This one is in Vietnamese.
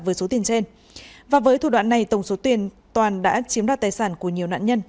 với số tiền trên và với thủ đoạn này tổng số tiền toàn đã chiếm đoạt tài sản của nhiều nạn nhân